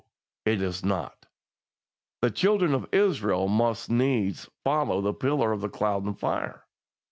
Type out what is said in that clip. it is not. The children of Israel must needs follow the pillar of cloud and fire.